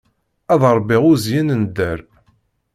Ad ṛebbiɣ uzyin n nnḍer.